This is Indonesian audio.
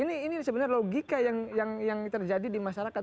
ini sebenarnya logika yang terjadi di masyarakat